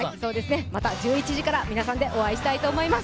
また１１時から皆さんとお会いしたいと思います。